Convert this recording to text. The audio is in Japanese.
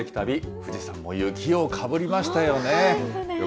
富士山も雪をかぶりましたよね。